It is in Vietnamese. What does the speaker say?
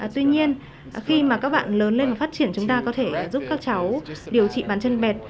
tuy nhiên khi mà các bạn lớn lên và phát triển chúng ta có thể giúp các cháu điều trị bàn chân mẹt